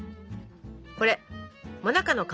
これもなかの皮。